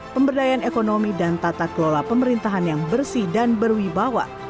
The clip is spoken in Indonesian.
pemberdayaan ekonomi dan tata kelola pemerintahan yang bersih dan berwibawa